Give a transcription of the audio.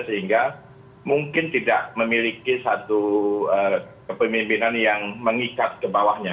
sehingga mungkin tidak memiliki satu kepemimpinan yang mengikat ke bawahnya